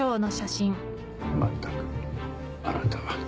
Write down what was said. まったくあなたは。